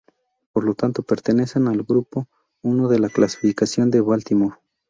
Por lo tanto pertenecen al Grupo I de la Clasificación de Baltimore.